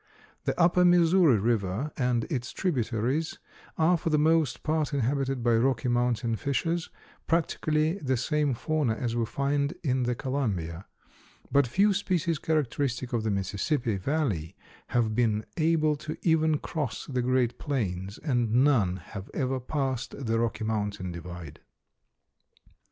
The upper Missouri river and its tributaries are for the most part inhabited by Rocky Mountain fishes, practically the same fauna as we find in the Columbia, but few species characteristic of the Mississippi valley have been able to even cross the great plains and none have ever passed the Rocky Mountain divide.